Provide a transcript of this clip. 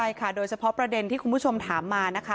ใช่ค่ะโดยเฉพาะประเด็นที่คุณผู้ชมถามมานะคะ